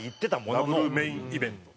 ダブルメインイベントね。